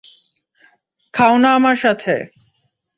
খাও না আমার সাথে।